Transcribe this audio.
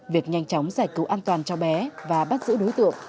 việc nhanh chóng giải cứu an toàn cho bé và bắt giữ đối tượng